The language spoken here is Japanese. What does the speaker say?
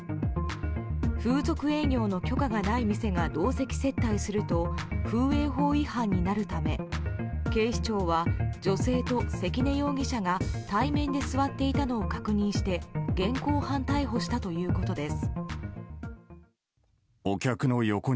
風俗営業の許可がない店が同席接待すると風営法違反になるため警視庁は、女性と関根容疑者が対面で座っていたのを確認して現行犯逮捕したということです。